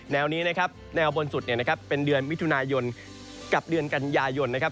แนวนี้นะครับแนวบนสุดเนี่ยนะครับเป็นเดือนมิถุนายนกับเดือนกันยายนนะครับ